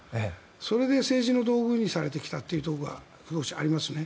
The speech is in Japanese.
それで政治の道具にされてきたというのが少しありますね。